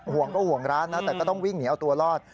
ห่วงก็ห่วงร้านนะแต่ก็ต้องวิ่งหนีเอาตัวรอด